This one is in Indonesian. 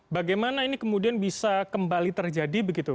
bagaimana ini kemudian bisa kembali terjadi begitu